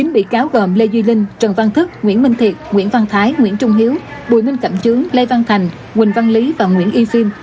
chín bị cáo gồm lê duy linh trần văn thức nguyễn minh thiệt nguyễn văn thái nguyễn trung hiếu bùi minh cẩm chướng lê văn thành huỳnh văn lý và nguyễn y phim